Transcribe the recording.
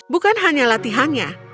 bukan hanya latihannya